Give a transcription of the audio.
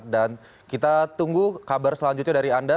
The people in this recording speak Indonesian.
dan kita tunggu kabar selanjutnya dari anda